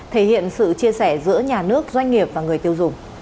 thể hiện sự chia sẻ giữa nhà nước doanh nghiệp và người tiêu dùng